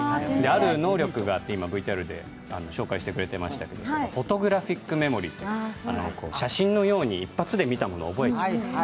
ある能力があるとＶＴＲで紹介してくれていましたけどフォトグラフィックメモリー、写真のように一発で見たものを覚えちゃう。